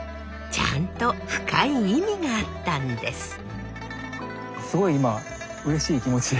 ちゃんと深い意味があったんです。